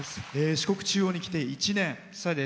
四国中央に来て１年。